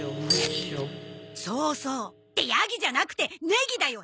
そうそうって「ヤギ」じゃなくて「ネギ」だよ！